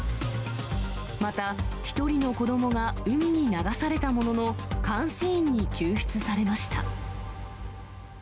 また、１人の子どもが海に流されたものの、監視員に救出されました。